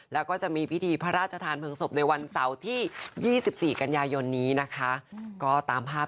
แล้วก็ขอบคุณท่านนะครับ